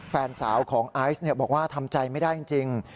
แฟนสาวของไอซ์บอกว่าทำใจไม่ได้จริง